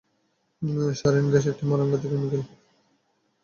Siren gas একটা মারণঘাতী chemical.